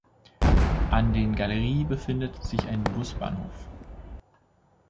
An den Galleries befindet sich ein Busbahnhof.